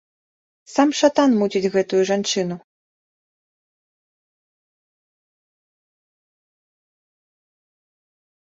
Сам шатан муціць гэтую жанчыну.